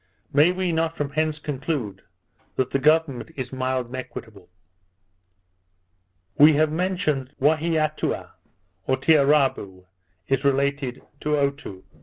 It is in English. May we not from hence conclude, that the government is mild and equitable? We have mentioned that Waheatoua or Tiarabou is related to Otoo.